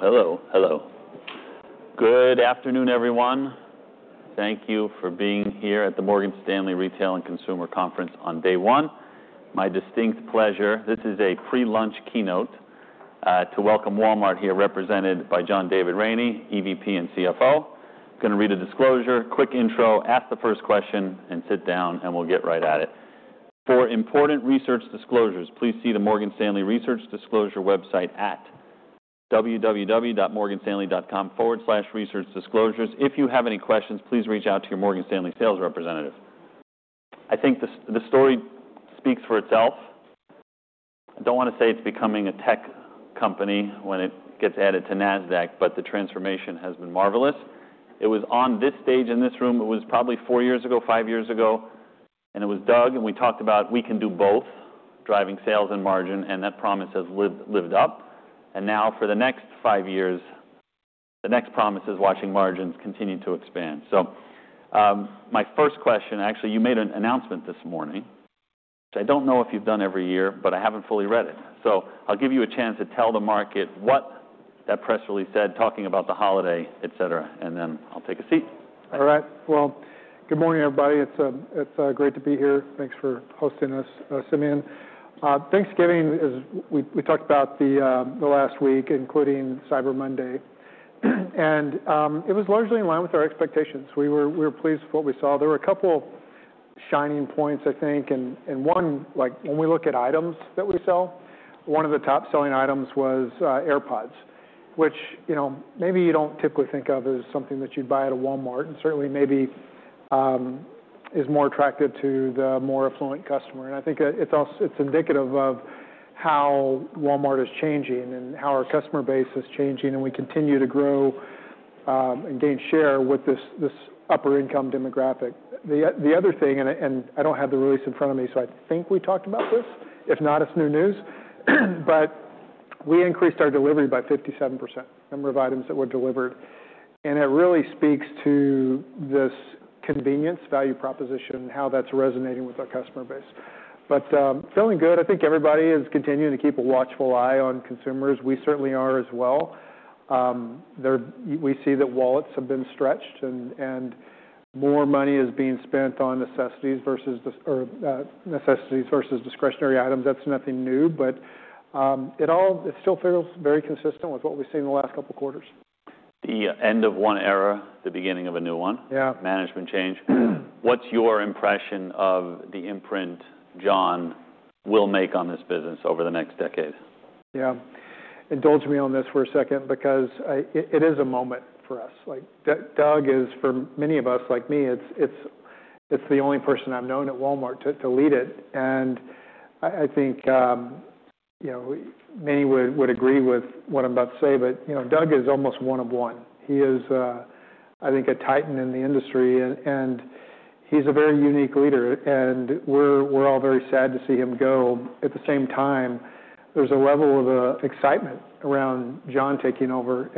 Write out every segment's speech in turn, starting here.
Hello, hello, hello. Good afternoon, everyone. Thank you for being here at the Morgan Stanley Retail and Consumer Conference on day one. My distinct pleasure, this is a pre-lunch keynote, to welcome Walmart here, represented by John David Rainey, EVP and CFO. I'm going to read a disclosure, quick intro, ask the first question, and sit down, and we'll get right at it. For important research disclosures, please see the Morgan Stanley Research Disclosure website at www.morganstanley.com/researchdisclosures. If you have any questions, please reach out to your Morgan Stanley sales representative. I think the story speaks for itself. I don't want to say it's becoming a tech company when it gets added to Nasdaq, but the transformation has been marvelous. It was on this stage in this room—it was probably four years ago, five years ago—and it was Doug, and we talked about we can do both, driving sales and margin, and that promise has lived up. Now, for the next five years, the next promise is watching margins continue to expand. My first question—actually, you made an announcement this morning—I don't know if you've done every year, but I haven't fully read it. I'll give you a chance to tell the market what that press release said, talking about the holiday, etc., and then I'll take a seat. All right. Good morning, everybody. It's great to be here. Thanks for hosting us, Simeon. Thanksgiving, as we talked about the last week, including Cyber Monday, was largely in line with our expectations. We were pleased with what we saw. There were a couple of shining points, I think, and one—when we look at items that we sell, one of the top-selling items was AirPods, which maybe you don't typically think of as something that you'd buy at a Walmart and certainly maybe is more attractive to the more affluent customer. I think it's indicative of how Walmart is changing and how our customer base is changing, and we continue to grow and gain share with this upper-income demographic. The other thing, I do not have the release in front of me, so I think we talked about this, if not, it is new news, we increased our delivery by 57%, number of items that were delivered. It really speaks to this convenience, value proposition, how that is resonating with our customer base. Feeling good. I think everybody is continuing to keep a watchful eye on consumers. We certainly are as well. We see that wallets have been stretched, and more money is being spent on necessities versus discretionary items. That is nothing new, but it still feels very consistent with what we have seen the last couple of quarters. The end of one era, the beginning of a new one. Yeah. Management change. What's your impression of the imprint John will make on this business over the next decade? Yeah. Indulge me on this for a second because it is a moment for us. Doug is, for many of us like me, it's the only person I've known at Walmart to lead it. I think many would agree with what I'm about to say, but Doug is almost one of one. He is, I think, a titan in the industry, and he's a very unique leader. We're all very sad to see him go. At the same time, there's a level of excitement around John taking over.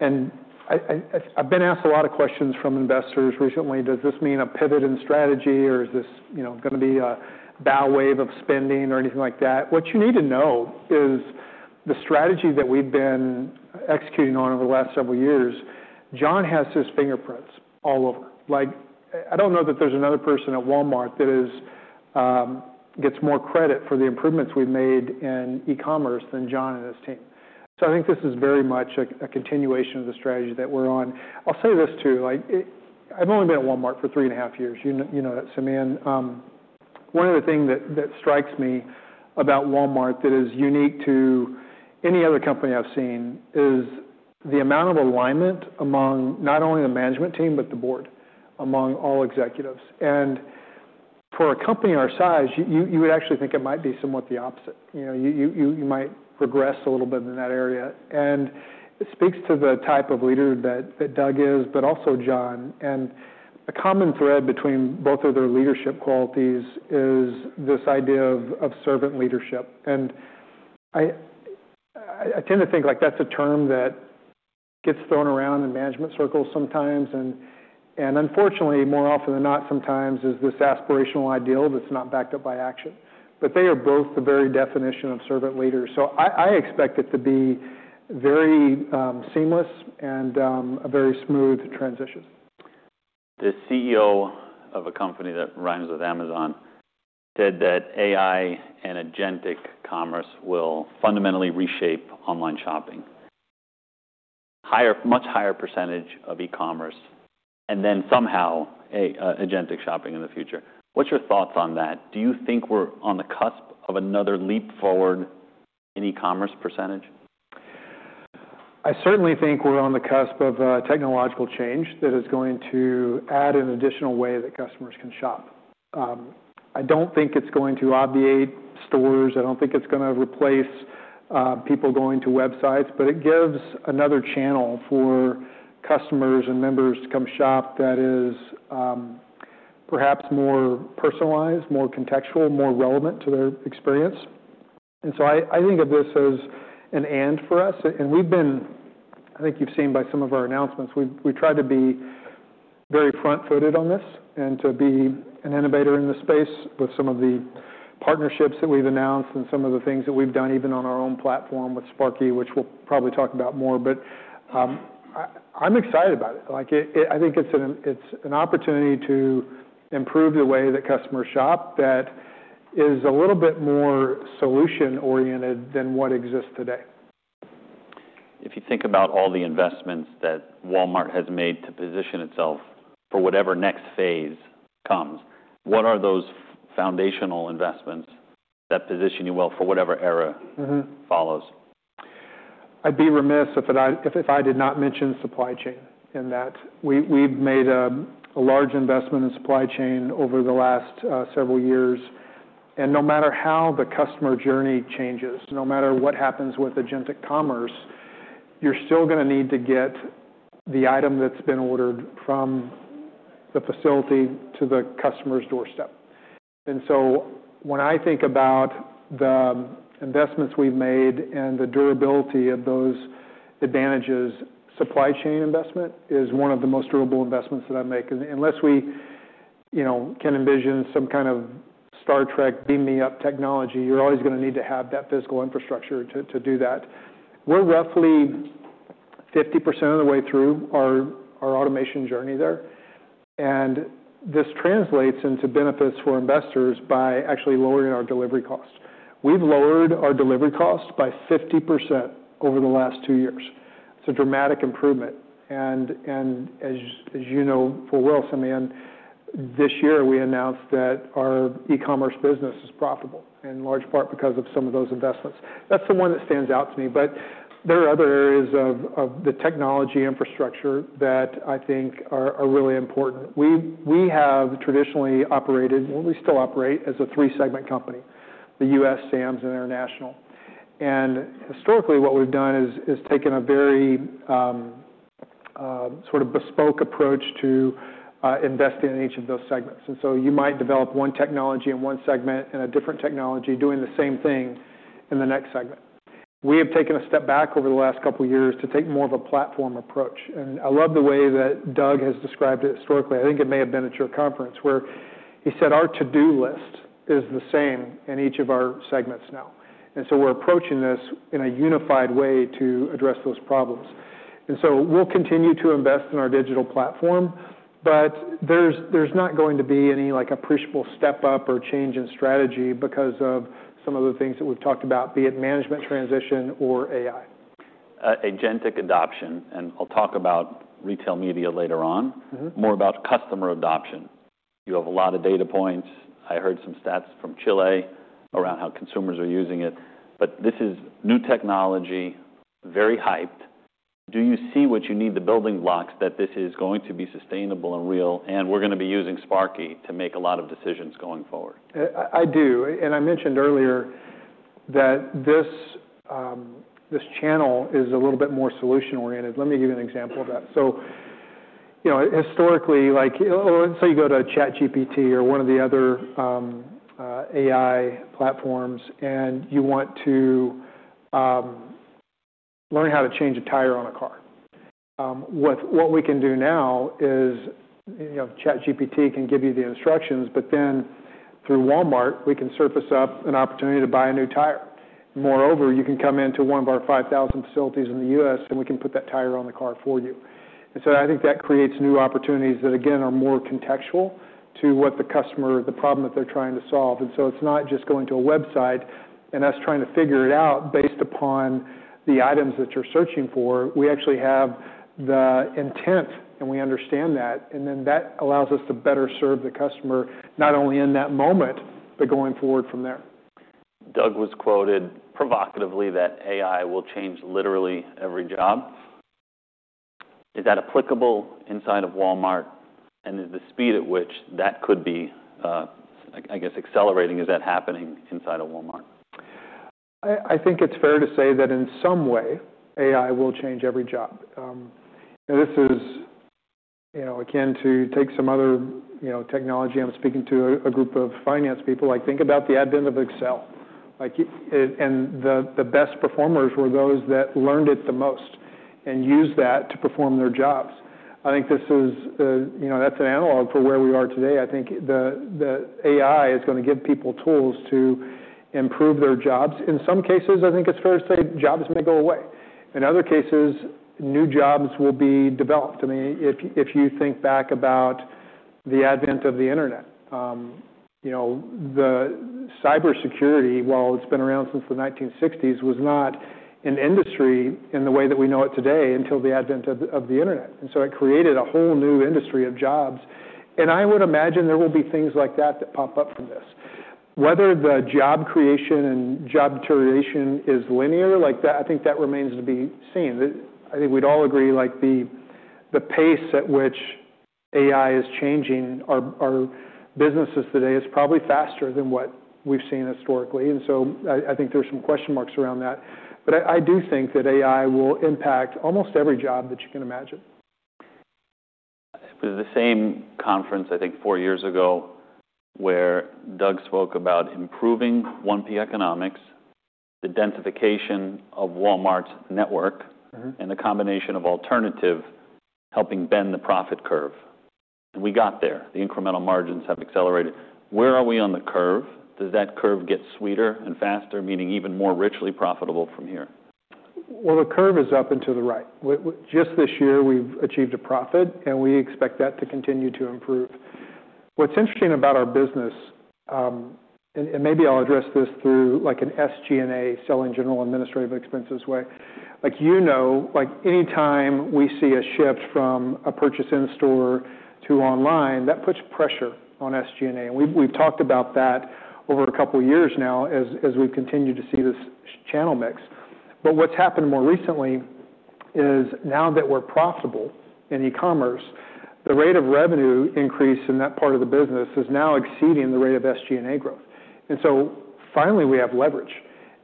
I've been asked a lot of questions from investors recently. Does this mean a pivot in strategy, or is this going to be a bow wave of spending or anything like that? What you need to know is the strategy that we've been executing on over the last several years, John has his fingerprints all over. I don't know that there's another person at Walmart that gets more credit for the improvements we've made in e-commerce than John and his team. I think this is very much a continuation of the strategy that we're on. I'll say this too. I've only been at Walmart for three and a half years. You know that, Simeon. One of the things that strikes me about Walmart that is unique to any other company I've seen is the amount of alignment among not only the management team, but the board, among all executives. For a company our size, you would actually think it might be somewhat the opposite. You might progress a little bit in that area. It speaks to the type of leader that Doug is, but also John. A common thread between both of their leadership qualities is this idea of servant leadership. I tend to think that's a term that gets thrown around in management circles sometimes, and unfortunately, more often than not, sometimes is this aspirational ideal that's not backed up by action. They are both the very definition of servant leaders. I expect it to be very seamless and a very smooth transition. The CEO of a company that rhymes with Amazon said that AI and agentic commerce will fundamentally reshape online shopping, a much higher percentage of e-commerce, and then somehow agentic shopping in the future. What's your thoughts on that? Do you think we're on the cusp of another leap forward in e-commerce percentage? I certainly think we're on the cusp of technological change that is going to add an additional way that customers can shop. I don't think it's going to obviate stores. I don't think it's going to replace people going to websites, but it gives another channel for customers and members to come shop that is perhaps more personalized, more contextual, more relevant to their experience. I think of this as an and for us. We've been—I think you've seen by some of our announcements—we've tried to be very front-footed on this and to be an innovator in this space with some of the partnerships that we've announced and some of the things that we've done, even on our own platform with Sparky, which we'll probably talk about more. I'm excited about it. I think it's an opportunity to improve the way that customers shop that is a little bit more solution-oriented than what exists today. If you think about all the investments that Walmart has made to position itself for whatever next phase comes, what are those foundational investments that position you well for whatever era follows? I'd be remiss if I did not mention supply chain in that. We've made a large investment in supply chain over the last several years. No matter how the customer journey changes, no matter what happens with agentic commerce, you're still going to need to get the item that's been ordered from the facility to the customer's doorstep. When I think about the investments we've made and the durability of those advantages, supply chain investment is one of the most durable investments that I make. Unless we can envision some kind of Star Trek beam me up technology, you're always going to need to have that physical infrastructure to do that. We're roughly 50% of the way through our automation journey there. This translates into benefits for investors by actually lowering our delivery costs. We've lowered our delivery costs by 50% over the last two years. It's a dramatic improvement. And as you know full well, Simeon, this year we announced that our e-commerce business is profitable, in large part because of some of those investments. That's the one that stands out to me. There are other areas of the technology infrastructure that I think are really important. We have traditionally operated—well, we still operate—as a three-segment company: the U.S., Sam's, and international. Historically, what we've done is taken a very sort of bespoke approach to investing in each of those segments. You might develop one technology in one segment and a different technology doing the same thing in the next segment. We have taken a step back over the last couple of years to take more of a platform approach. I love the way that Doug has described it historically. I think it may have been at your conference where he said, "Our to-do list is the same in each of our segments now." We are approaching this in a unified way to address those problems. We will continue to invest in our digital platform, but there is not going to be any appreciable step up or change in strategy because of some of the things that we have talked about, be it management transition or AI. Agentic adoption, and I'll talk about retail media later on, more about customer adoption. You have a lot of data points. I heard some stats from Chile around how consumers are using it. This is new technology, very hyped. Do you see what you need, the building blocks that this is going to be sustainable and real? We are going to be using Sparky to make a lot of decisions going forward. I do. I mentioned earlier that this channel is a little bit more solution-oriented. Let me give you an example of that. Historically, say you go to ChatGPT or one of the other AI platforms and you want to learn how to change a tire on a car. What we can do now is ChatGPT can give you the instructions, but then through Walmart, we can surface up an opportunity to buy a new tire. Moreover, you can come into one of our 5,000 facilities in the U.S. and we can put that tire on the car for you. I think that creates new opportunities that, again, are more contextual to what the customer, the problem that they're trying to solve. It is not just going to a website and us trying to figure it out based upon the items that you're searching for. We actually have the intent and we understand that. That allows us to better serve the customer not only in that moment, but going forward from there. Doug was quoted provocatively that AI will change literally every job. Is that applicable inside of Walmart? Is the speed at which that could be, I guess, accelerating—is that happening inside of Walmart? I think it's fair to say that in some way, AI will change every job. This is akin to take some other technology. I'm speaking to a group of finance people. Think about the advent of Excel. And the best performers were those that learned it the most and used that to perform their jobs. I think that's an analog for where we are today. I think the AI is going to give people tools to improve their jobs. In some cases, I think it's fair to say jobs may go away. In other cases, new jobs will be developed. I mean, if you think back about the advent of the internet, cybersecurity, while it's been around since the 1960s, was not an industry in the way that we know it today until the advent of the internet. It created a whole new industry of jobs. I would imagine there will be things like that that pop up from this. Whether the job creation and job deterioration is linear, I think that remains to be seen. I think we'd all agree the pace at which AI is changing our businesses today is probably faster than what we've seen historically. I think there's some question marks around that. I do think that AI will impact almost every job that you can imagine. It was the same conference, I think, four years ago where Doug spoke about improving one-piece economics, the densification of Walmart's network, and the combination of alternative helping bend the profit curve. We got there. The incremental margins have accelerated. Where are we on the curve? Does that curve get sweeter and faster, meaning even more richly profitable from here? The curve is up and to the right. Just this year, we've achieved a profit, and we expect that to continue to improve. What's interesting about our business—maybe I'll address this through an SG&A, selling general administrative expenses, way—any time we see a shift from a purchase in store to online, that puts pressure on SG&A. We've talked about that over a couple of years now as we've continued to see this channel mix. What's happened more recently is now that we're profitable in e-commerce, the rate of revenue increase in that part of the business is now exceeding the rate of SG&A growth. Finally, we have leverage.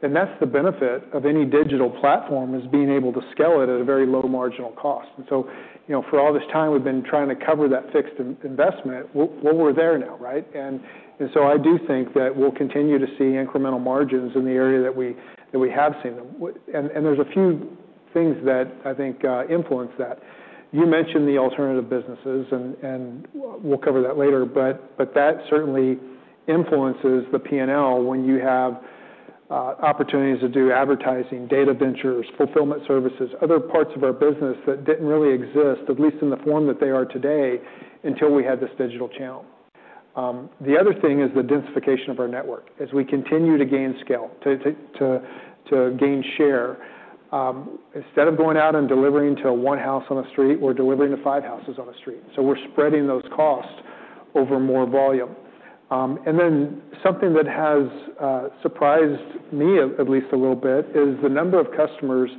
That's the benefit of any digital platform, being able to scale it at a very low marginal cost. For all this time, we've been trying to cover that fixed investment. We're there now, right? I do think that we'll continue to see incremental margins in the area that we have seen them. There are a few things that I think influence that. You mentioned the alternative businesses, and we'll cover that later, but that certainly influences the P&L when you have opportunities to do advertising, data ventures, fulfillment services, other parts of our business that did not really exist, at least in the form that they are today, until we had this digital channel. The other thing is the densification of our network as we continue to gain scale, to gain share. Instead of going out and delivering to one house on the street, we're delivering to five houses on the street. We're spreading those costs over more volume. Something that has surprised me, at least a little bit, is the number of customers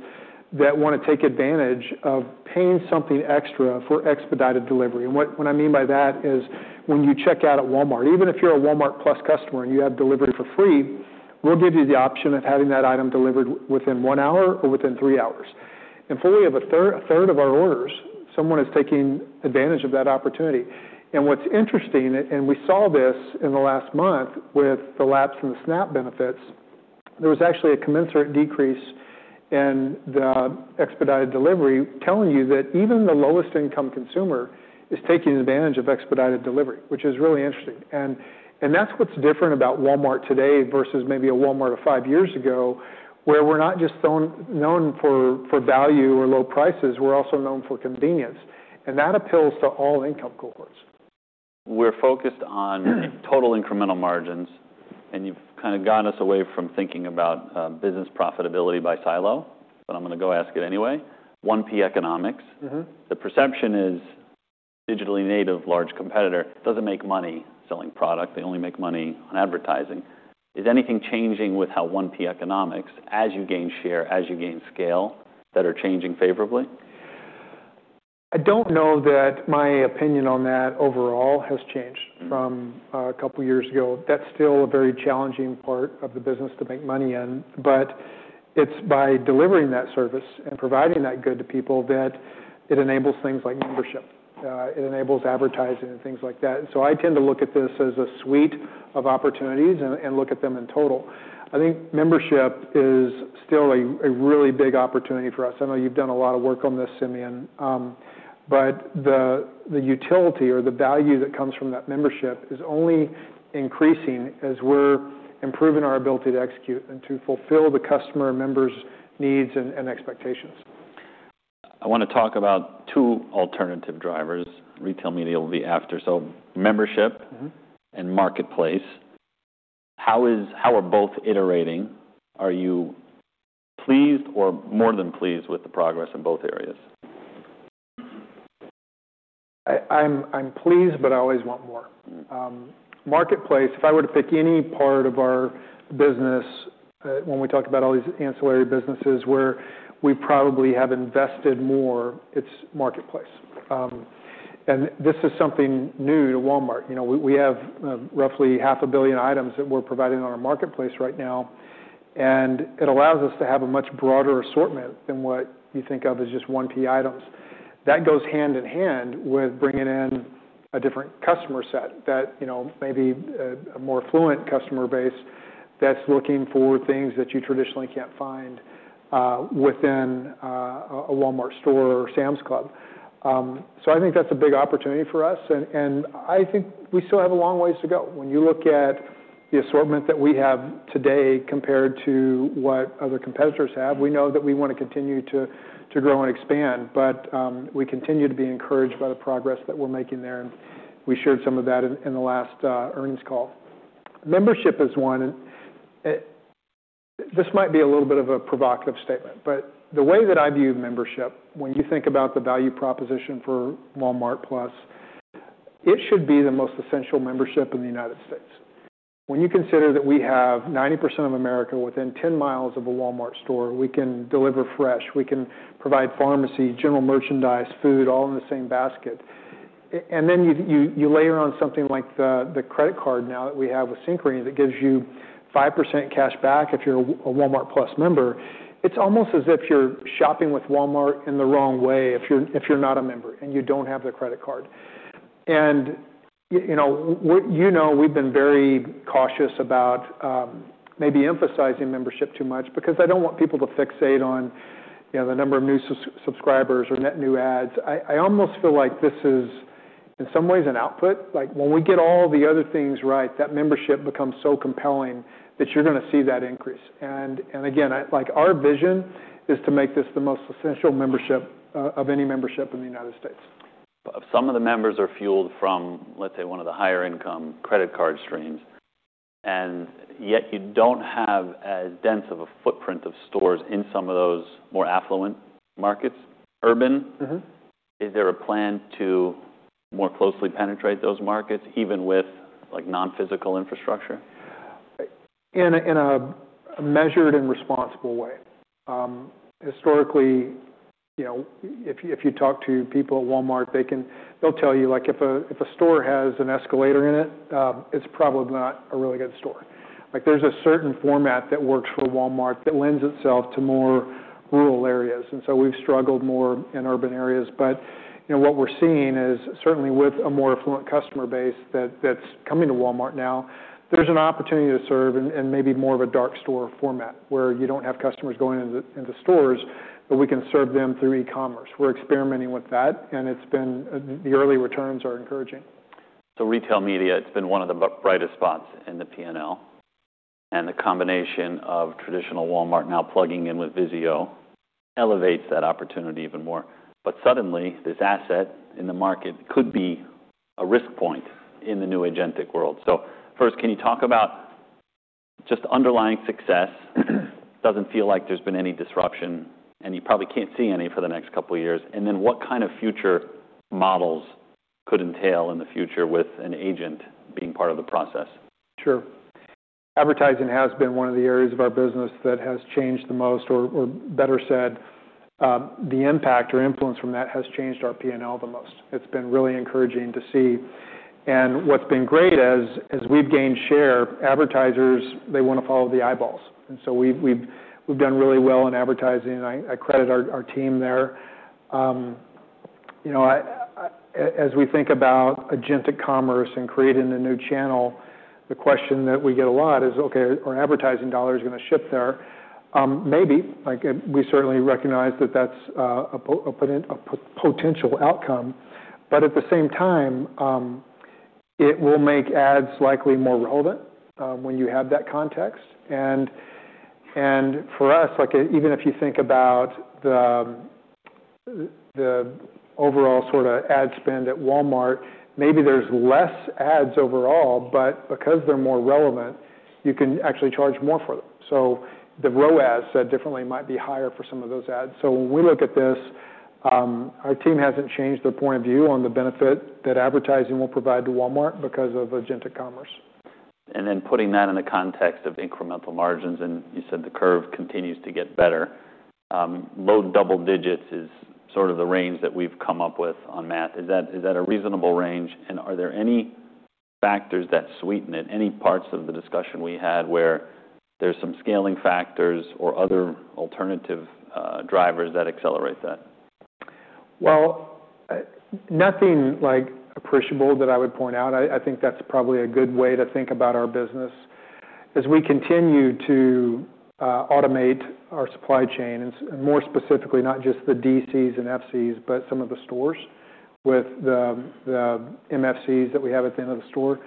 that want to take advantage of paying something extra for expedited delivery. What I mean by that is when you check out at Walmart, even if you're a Walmart+ customer and you have delivery for free, we'll give you the option of having that item delivered within one hour or within three hours. Fully a third of our orders, someone is taking advantage of that opportunity. What's interesting, and we saw this in the last month with the lapse in the SNAP benefits, there was actually a commensurate decrease in the expedited delivery, telling you that even the lowest income consumer is taking advantage of expedited delivery, which is really interesting. is what is different about Walmart today versus maybe a Walmart of five years ago, where we are not just known for value or low prices. We are also known for convenience. That appeals to all income cohorts. We're focused on total incremental margins, and you've kind of gotten us away from thinking about business profitability by silo, but I'm going to go ask it anyway. One-piece economics, the perception is digitally native large competitor doesn't make money selling product. They only make money on advertising. Is anything changing with how one-piece economics, as you gain share, as you gain scale, that are changing favorably? I don't know that my opinion on that overall has changed from a couple of years ago. That's still a very challenging part of the business to make money in. It is by delivering that service and providing that good to people that it enables things like membership. It enables advertising and things like that. I tend to look at this as a suite of opportunities and look at them in total. I think membership is still a really big opportunity for us. I know you've done a lot of work on this, Simeon, but the utility or the value that comes from that membership is only increasing as we're improving our ability to execute and to fulfill the customer members' needs and expectations. I want to talk about two alternative drivers. Retail media will be after. So membership and marketplace, how are both iterating? Are you pleased or more than pleased with the progress in both areas? I'm pleased, but I always want more. Marketplace, if I were to pick any part of our business when we talk about all these ancillary businesses where we probably have invested more, it's marketplace. This is something new to Walmart. We have roughly $500 million items that we're providing on our marketplace right now. It allows us to have a much broader assortment than what you think of as just one-piece items. That goes hand in hand with bringing in a different customer set that may be a more affluent customer base that's looking for things that you traditionally can't find within a Walmart store or Sam's Club. I think that's a big opportunity for us. I think we still have a long ways to go. When you look at the assortment that we have today compared to what other competitors have, we know that we want to continue to grow and expand. We continue to be encouraged by the progress that we're making there. We shared some of that in the last earnings call. Membership is one. This might be a little bit of a provocative statement, but the way that I view membership, when you think about the value proposition for Walmart+, it should be the most essential membership in the United States. When you consider that we have 90% of America within 10 miles of a Walmart store, we can deliver fresh. We can provide pharmacy, general merchandise, food, all in the same basket. You layer on something like the credit card now that we have with Synchrony that gives you 5% cash back if you're a Walmart Plus member. It's almost as if you're shopping with Walmart in the wrong way if you're not a member and you don't have the credit card. You know we've been very cautious about maybe emphasizing membership too much because I don't want people to fixate on the number of new subscribers or net new ads. I almost feel like this is in some ways an output. When we get all the other things right, that membership becomes so compelling that you're going to see that increase. Our vision is to make this the most essential membership of any membership in the United States. Some of the members are fueled from, let's say, one of the higher-income credit card streams. And yet you don't have as dense of a footprint of stores in some of those more affluent markets, urban. Is there a plan to more closely penetrate those markets, even with non-physical infrastructure? In a measured and responsible way. Historically, if you talk to people at Walmart, they'll tell you if a store has an escalator in it, it's probably not a really good store. There's a certain format that works for Walmart that lends itself to more rural areas. We have struggled more in urban areas. What we're seeing is certainly with a more affluent customer base that's coming to Walmart now, there's an opportunity to serve in maybe more of a dark store format where you don't have customers going into stores, but we can serve them through e-commerce. We're experimenting with that, and the early returns are encouraging. Retail media, it's been one of the brightest spots in the P&L. The combination of traditional Walmart now plugging in with Vizio elevates that opportunity even more. Suddenly, this asset in the market could be a risk point in the new agentic world. First, can you talk about just underlying success? It doesn't feel like there's been any disruption, and you probably can't see any for the next couple of years. What kind of future models could entail in the future with an agent being part of the process? Sure. Advertising has been one of the areas of our business that has changed the most, or better said, the impact or influence from that has changed our P&L the most. It has been really encouraging to see. What has been great is as we have gained share, advertisers, they want to follow the eyeballs. We have done really well in advertising. I credit our team there. As we think about agentic commerce and creating a new channel, the question that we get a lot is, okay, are advertising dollars going to shift there? Maybe. We certainly recognize that that is a potential outcome. At the same time, it will make ads likely more relevant when you have that context. For us, even if you think about the overall sort of ad spend at Walmart, maybe there are less ads overall, but because they are more relevant, you can actually charge more for them. The ROAS, said differently, might be higher for some of those ads. When we look at this, our team has not changed their point of view on the benefit that advertising will provide to Walmart because of agentic commerce. Then putting that in the context of incremental margins, and you said the curve continues to get better, low double digits is sort of the range that we've come up with on math. Is that a reasonable range? Are there any factors that sweeten it, any parts of the discussion we had where there's some scaling factors or other alternative drivers that accelerate that? Nothing like appreciable that I would point out. I think that's probably a good way to think about our business as we continue to automate our supply chain, and more specifically, not just the DCs and FCs, but some of the stores with the MFCs that we have at the end of the store.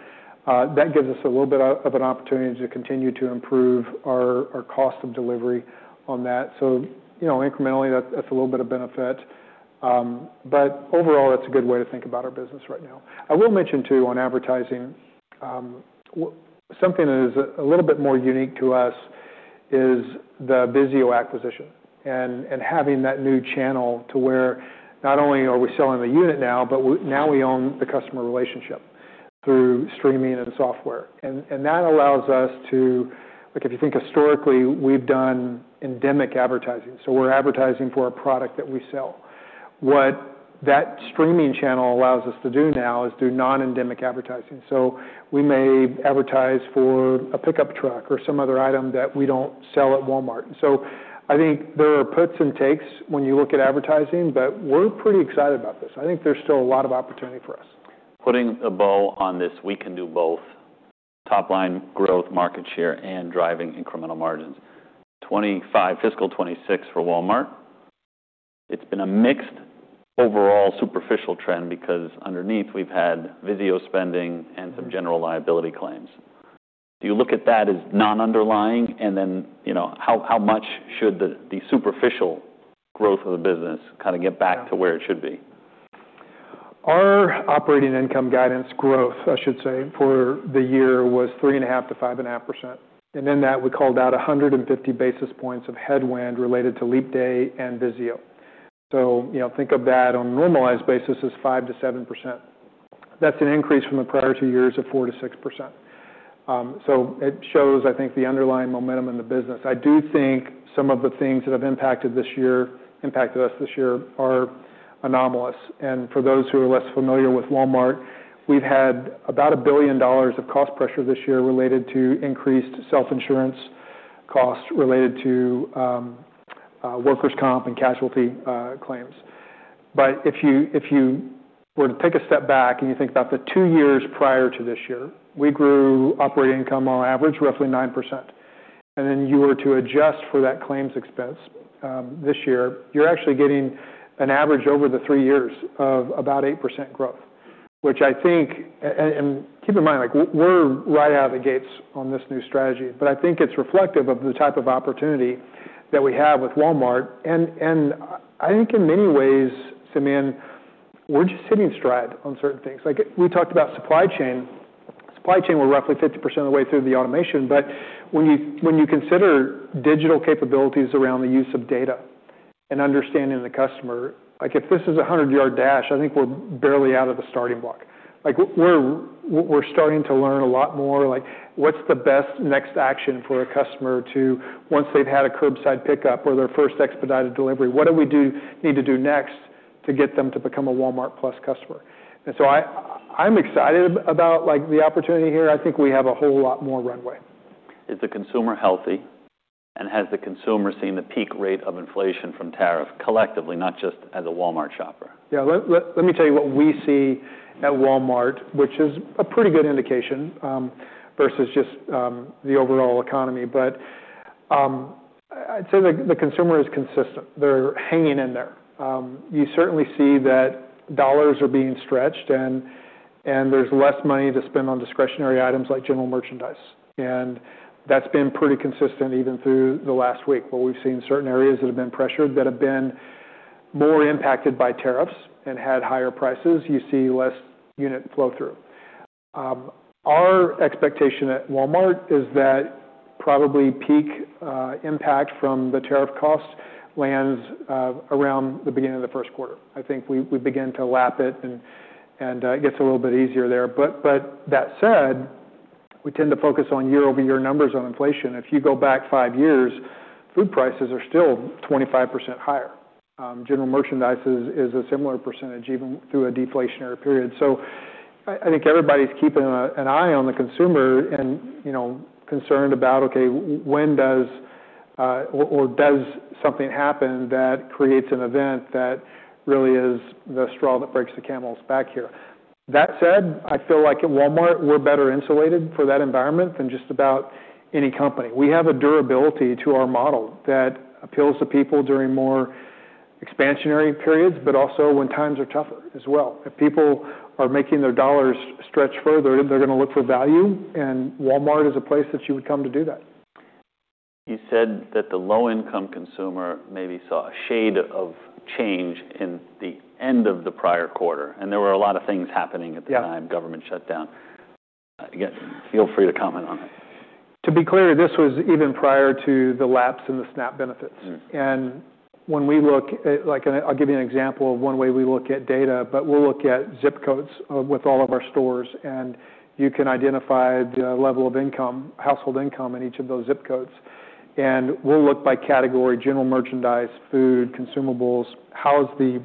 That gives us a little bit of an opportunity to continue to improve our cost of delivery on that. Incrementally, that's a little bit of benefit. Overall, that's a good way to think about our business right now. I will mention too on advertising, something that is a little bit more unique to us is the VIZIO acquisition and having that new channel to where not only are we selling the unit now, but now we own the customer relationship through streaming and software. That allows us to, if you think historically, we have done endemic advertising. We are advertising for a product that we sell. What that streaming channel allows us to do now is do non-endemic advertising. We may advertise for a pickup truck or some other item that we do not sell at Walmart. I think there are puts and takes when you look at advertising, but we are pretty excited about this. I think there is still a lot of opportunity for us. Putting a bow on this, we can do both top-line growth, market share, and driving incremental margins. Fiscal 2026 for Walmart. It's been a mixed overall superficial trend because underneath we've had Vizio spending and some general liability claims. Do you look at that as non-underlying? How much should the superficial growth of the business kind of get back to where it should be? Our operating income guidance growth, I should say, for the year was 3.5%-5.5%. In that, we called out 150 basis points of headwind related to Leap Day and Vizio. Think of that on a normalized basis as 5%-7%. That is an increase from the prior two years of 4%-6%. It shows, I think, the underlying momentum in the business. I do think some of the things that have impacted this year, impacted us this year, are anomalous. For those who are less familiar with Walmart, we have had about $1 billion of cost pressure this year related to increased self-insurance costs related to workers' comp and casualty claims. If you were to take a step back and you think about the two years prior to this year, we grew operating income on average roughly 9%. If you were to adjust for that claims expense this year, you're actually getting an average over the three years of about 8% growth, which I think, and keep in mind, we're right out of the gates on this new strategy, but I think it's reflective of the type of opportunity that we have with Walmart. I think in many ways, Simeon, we're just hitting stride on certain things. We talked about supply chain. Supply chain, we're roughly 50% of the way through the automation. When you consider digital capabilities around the use of data and understanding the customer, if this is a 100-yard dash, I think we're barely out of the starting block. We're starting to learn a lot more. What's the best next action for a customer once they've had a curbside pickup or their first expedited delivery? What do we need to do next to get them to become a Walmart+ customer? I am excited about the opportunity here. I think we have a whole lot more runway. Is the consumer healthy? Has the consumer seen the peak rate of inflation from tariffs collectively, not just as a Walmart shopper? Yeah. Let me tell you what we see at Walmart, which is a pretty good indication versus just the overall economy. I'd say the consumer is consistent. They're hanging in there. You certainly see that dollars are being stretched and there's less money to spend on discretionary items like general merchandise. That's been pretty consistent even through the last week. We've seen certain areas that have been pressured that have been more impacted by tariffs and had higher prices. You see less unit flow-through. Our expectation at Walmart is that probably peak impact from the tariff costs lands around the beginning of the first quarter. I think we begin to lap it and it gets a little bit easier there. That said, we tend to focus on year-over-year numbers on inflation. If you go back five years, food prices are still 25% higher. General merchandise is a similar percentage even through a deflationary period. I think everybody's keeping an eye on the consumer and concerned about, okay, when does something happen that creates an event that really is the straw that breaks the camel's back here. That said, I feel like at Walmart, we're better insulated for that environment than just about any company. We have a durability to our model that appeals to people during more expansionary periods, but also when times are tougher as well. If people are making their dollars stretch further, they're going to look for value. Walmart is a place that you would come to do that. You said that the low-income consumer maybe saw a shade of change in the end of the prior quarter. There were a lot of things happening at the time, government shutdown. Feel free to comment on it. To be clear, this was even prior to the lapse in the SNAP benefits. When we look, I'll give you an example of one way we look at data, but we'll look at zip codes with all of our stores. You can identify the level of household income in each of those zip codes. We'll look by category, general merchandise, food, consumables, how's the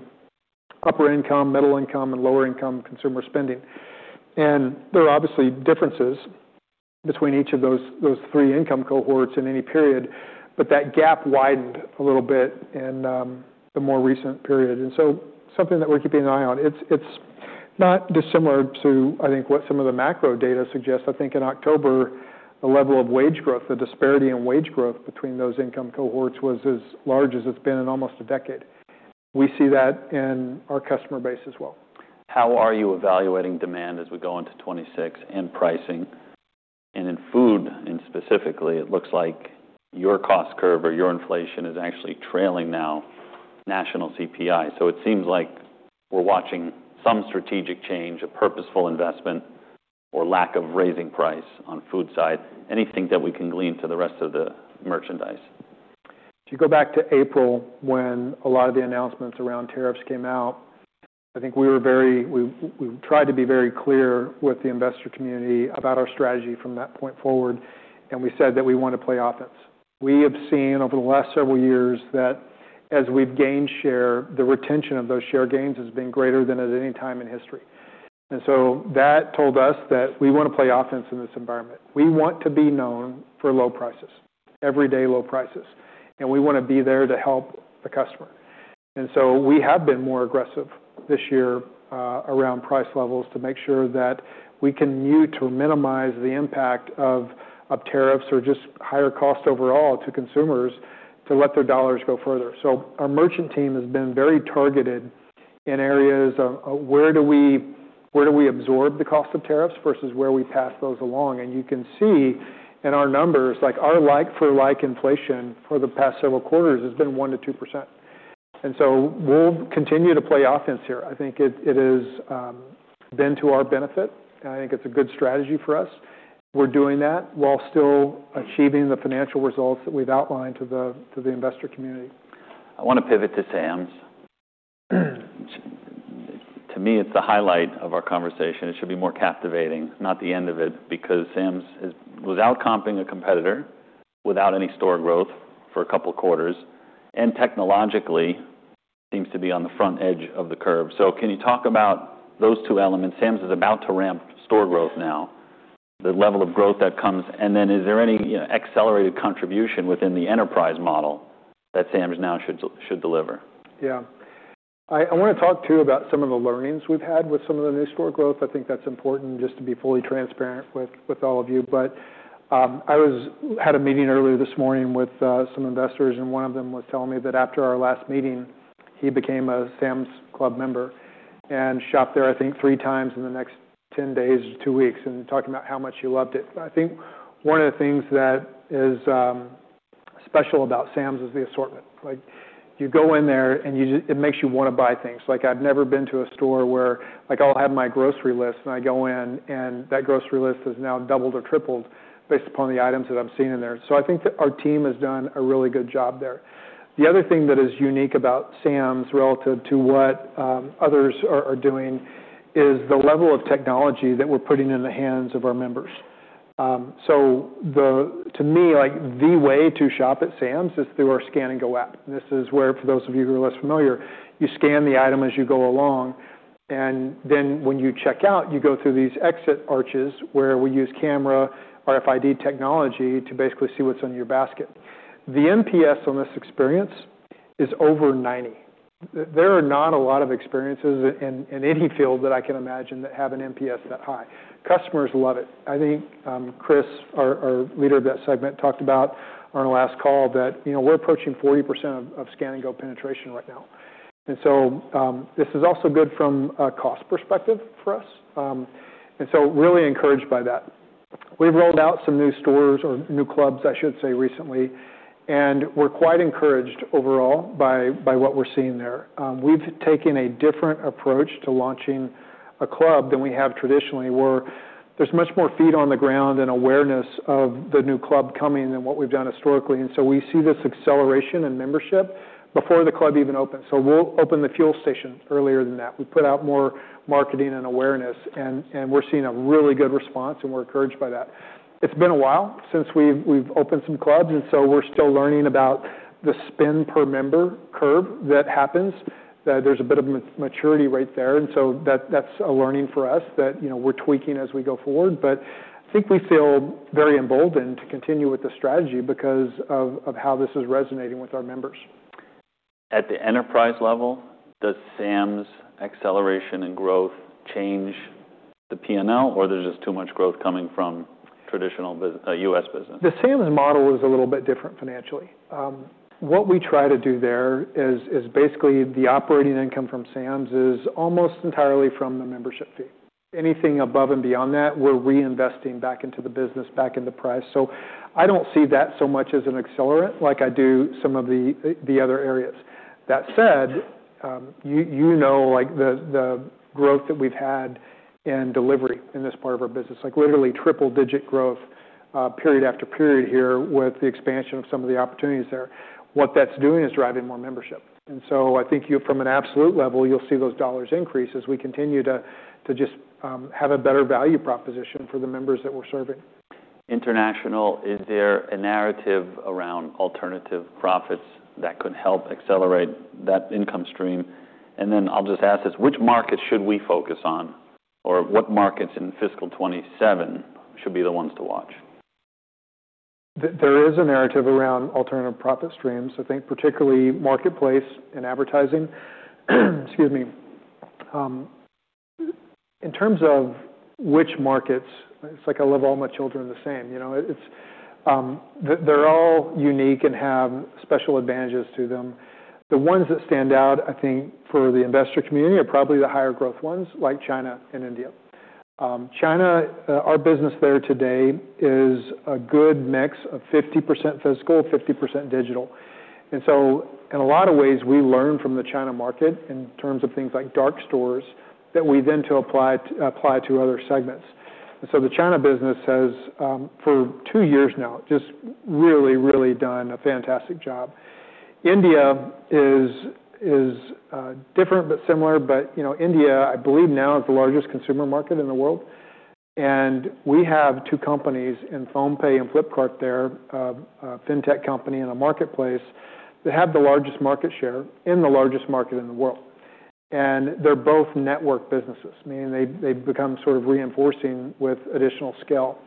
upper-income, middle-income, and lower-income consumer spending. There are obviously differences between each of those three income cohorts in any period, but that gap widened a little bit in the more recent period. That is something that we're keeping an eye on. It's not dissimilar to, I think, what some of the macro data suggests. I think in October, the level of wage growth, the disparity in wage growth between those income cohorts was as large as it's been in almost a decade. We see that in our customer base as well. How are you evaluating demand as we go into 2026 and pricing? In food, specifically, it looks like your cost curve or your inflation is actually trailing now national CPI. It seems like we are watching some strategic change, a purposeful investment or lack of raising price on the food side. Anything that we can glean to the rest of the merchandise? If you go back to April when a lot of the announcements around tariffs came out, I think we were very, we tried to be very clear with the investor community about our strategy from that point forward. We said that we want to play offense. We have seen over the last several years that as we've gained share, the retention of those share gains has been greater than at any time in history. That told us that we want to play offense in this environment. We want to be known for low prices, everyday low prices. We want to be there to help the customer. We have been more aggressive this year around price levels to make sure that we can mute or minimize the impact of tariffs or just higher cost overall to consumers to let their dollars go further. Our merchant team has been very targeted in areas of where do we absorb the cost of tariffs versus where we pass those along. You can see in our numbers, our like-for-like inflation for the past several quarters has been 1%-2%. We will continue to play offense here. I think it has been to our benefit. I think it's a good strategy for us. We're doing that while still achieving the financial results that we've outlined to the investor community. I want to pivot to Sam's. To me, it's the highlight of our conversation. It should be more captivating, not the end of it, because Sam's is without comping a competitor, without any store growth for a couple of quarters, and technologically seems to be on the front edge of the curve. Can you talk about those two elements? Sam's is about to ramp store growth now, the level of growth that comes. Is there any accelerated contribution within the enterprise model that Sam's now should deliver? Yeah. I want to talk too about some of the learnings we've had with some of the new store growth. I think that's important just to be fully transparent with all of you. I had a meeting earlier this morning with some investors, and one of them was telling me that after our last meeting, he became a Sam's Club member and shopped there, I think, three times in the next 10 days or two weeks and talking about how much he loved it. I think one of the things that is special about Sam's is the assortment. You go in there and it makes you want to buy things. I've never been to a store where I'll have my grocery list and I go in and that grocery list is now doubled or tripled based upon the items that I'm seeing in there. I think that our team has done a really good job there. The other thing that is unique about Sam's relative to what others are doing is the level of technology that we're putting in the hands of our members. To me, the way to shop at Sam's is through our Scan & Go app. This is where, for those of you who are less familiar, you scan the item as you go along. When you check out, you go through these exit arches where we use camera, RFID technology to basically see what's on your basket. The NPS on this experience is over 90. There are not a lot of experiences in any field that I can imagine that have an NPS that high. Customers love it. I think Chris, our leader of that segment, talked about on our last call that we're approaching 40% of Scan & Go penetration right now. This is also good from a cost perspective for us. I'm really encouraged by that. We've rolled out some new stores or new clubs, I should say, recently. We're quite encouraged overall by what we're seeing there. We've taken a different approach to launching a club than we have traditionally, where there's much more feet on the ground and awareness of the new club coming than what we've done historically. We see this acceleration in membership before the club even opens. We'll open the fuel station earlier than that. We put out more marketing and awareness, and we're seeing a really good response, and we're encouraged by that. It's been a while since we've opened some clubs, and so we're still learning about the spend per member curve that happens. There's a bit of maturity right there. And so that's a learning for us that we're tweaking as we go forward. But I think we feel very emboldened to continue with the strategy because of how this is resonating with our members. At the enterprise level, does Sam's acceleration and growth change the P&L, or there's just too much growth coming from traditional U.S. business? The Sam's model is a little bit different financially. What we try to do there is basically the operating income from Sam's is almost entirely from the membership fee. Anything above and beyond that, we're reinvesting back into the business, back into price. I don't see that so much as an accelerant like I do some of the other areas. That said, you know the growth that we've had in delivery in this part of our business, like literally triple-digit growth period after period here with the expansion of some of the opportunities there. What that's doing is driving more membership. I think from an absolute level, you'll see those dollars increase as we continue to just have a better value proposition for the members that we're serving. International, is there a narrative around alternative profits that could help accelerate that income stream? I'll just ask this, which markets should we focus on, or what markets in fiscal 2027 should be the ones to watch? There is a narrative around alternative profit streams. I think particularly marketplace and advertising. Excuse me. In terms of which markets, it's like I love all my children the same. They're all unique and have special advantages to them. The ones that stand out, I think, for the investor community are probably the higher growth ones, like China and India. China, our business there today is a good mix of 50% physical, 50% digital. In a lot of ways, we learn from the China market in terms of things like dark stores that we then apply to other segments. The China business has for two years now just really, really done a fantastic job. India is different but similar, but India, I believe now, is the largest consumer market in the world. We have two companies in PhonePe and Flipkart there, a fintech company and a marketplace that have the largest market share in the largest market in the world. They are both network businesses, meaning they become sort of reinforcing with additional scale.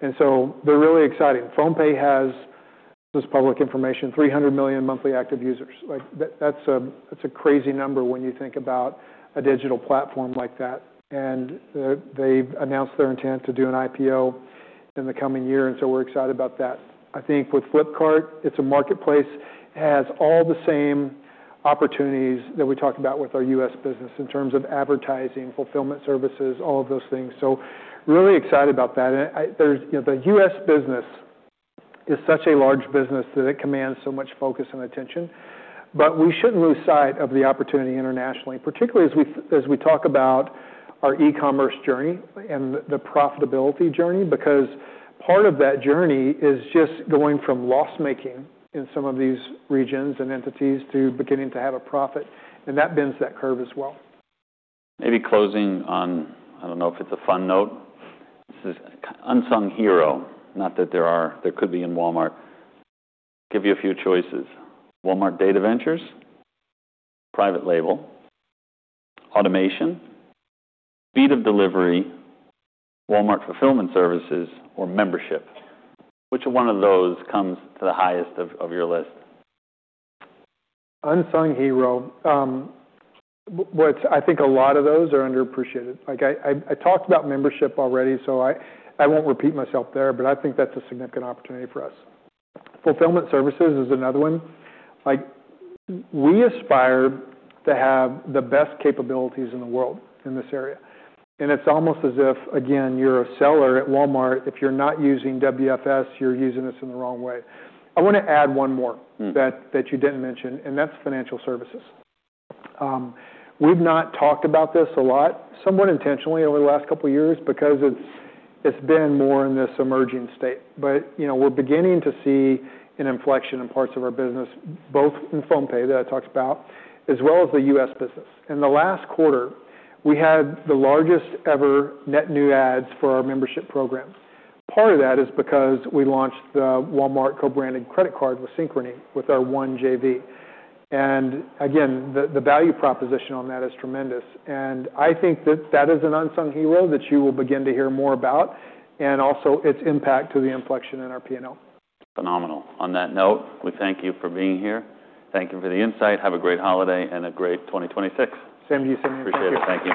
They are really exciting. PhonePe has, this is public information, 300 million monthly active users. That is a crazy number when you think about a digital platform like that. They have announced their intent to do an IPO in the coming year. We are excited about that. I think with Flipkart, it is a marketplace. It has all the same opportunities that we talked about with our U.S. business in terms of advertising, fulfillment services, all of those things. Really excited about that. The U.S. business is such a large business that it commands so much focus and attention. We should not lose sight of the opportunity internationally, particularly as we talk about our e-commerce journey and the profitability journey, because part of that journey is just going from loss-making in some of these regions and entities to beginning to have a profit. That bends that curve as well. Maybe closing on, I don't know if it's a fun note, this is an unsung hero, not that there could be in Walmart. I'll give you a few choices. Walmart Data Ventures, private label, automation, speed of delivery, Walmart fulfillment services, or membership. Which one of those comes to the highest of your list? Unsung hero. I think a lot of those are underappreciated. I talked about membership already, so I won't repeat myself there, but I think that's a significant opportunity for us. Fulfillment services is another one. We aspire to have the best capabilities in the world in this area. It's almost as if, again, you're a seller at Walmart. If you're not using WFS, you're using us in the wrong way. I want to add one more that you didn't mention, and that's financial services. We've not talked about this a lot, somewhat intentionally over the last couple of years because it's been more in this emerging state. We're beginning to see an inflection in parts of our business, both in PhonePe that I talked about, as well as the U.S. business. In the last quarter, we had the largest ever net new ads for our membership program. Part of that is because we launched the Walmart co-branded credit card with Synchrony with our 1JV. The value proposition on that is tremendous. I think that that is an unsung hero that you will begin to hear more about and also its impact to the inflection in our P&L. Phenomenal. On that note, we thank you for being here. Thank you for the insight. Have a great holiday and a great 2026. Same to you, Sim. Appreciate it. Thank you.